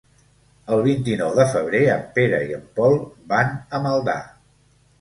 El vint-i-nou de febrer en Pere i en Pol van a Maldà.